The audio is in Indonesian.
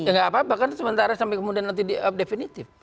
ya nggak apa apa kan sementara sampai kemudian nanti definitif